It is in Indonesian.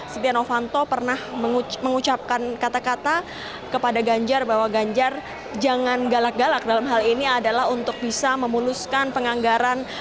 setia novanto pernah mengucapkan kata kata kepada ganjar bahwa ganjar jangan galak galak dalam hal ini adalah untuk bisa memuluskan penganggaran